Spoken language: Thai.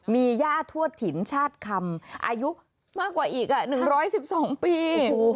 มีย่าทวดถิ่นชาติคำอายุมากกว่าอีก๑๑๒ปี